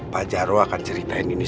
pak jaro akan ceritain ini